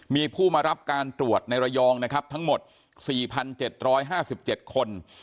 มีผู้มารับการตรวจในระยองนะครับทั้งหมดสี่พันเจ็ดร้อยห้าสิบเจ็ดคน